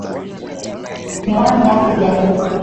Miwani yake ilianguka